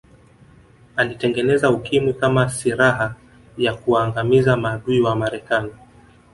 alitengeneza ukimwi kama siraha ya kuwaangamiza maadui wa marekani